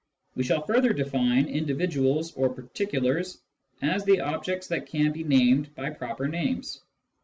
We shall further define " individuals " or " particulars " as the objects that can be named by proper names.